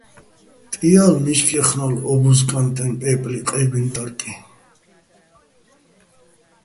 ტიალო̆, მიჩკ ჲეხნო́ლო̆ ო ბუზკანტეჼ პე́პლი ყე́გუჲნი ტარკი.